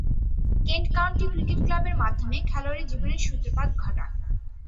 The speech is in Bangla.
কেন্ট কাউন্টি ক্রিকেট ক্লাবের মাধ্যমে খেলোয়াড়ী জীবনের সূত্রপাত ঘটান।